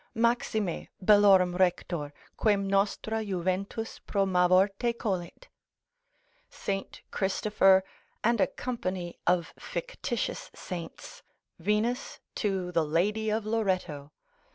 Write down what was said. ((Maxime bellorum rector, quem nostra juventus Pro Mavorte colit.)——— St. Christopher, and a company of fictitious saints, Venus to the Lady of Loretto.